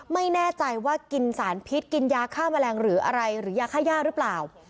ไม่แน่ใจว่ากินสารพิษกินยาฆ่าแมลงหรืออะไรหรือยาค่าย่าหรือเปล่า